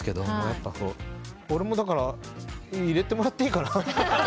俺も入れてもらっていいかな？